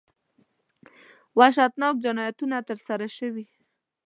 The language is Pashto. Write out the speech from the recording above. وحشتناک جنایتونه ترسره شوي.